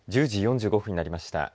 １０時４５分になりました。